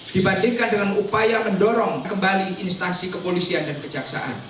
dibandingkan dengan upaya mendorong kembali instansi kepolisian dan kejaksaan